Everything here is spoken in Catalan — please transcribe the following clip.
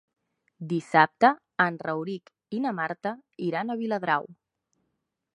Dissabte en Rauric i na Marta iran a Viladrau.